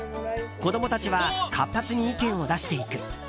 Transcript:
子供たちは活発に意見を出していく。